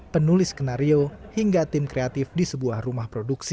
penulis skenario hingga tim kreatif di sebuah rumah produksi